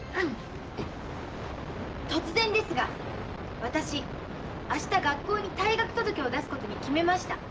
突然ですが私明日学校に退学届を出すことに決めました。